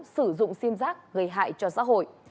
sử dụng sim giác gây hại cho xã hội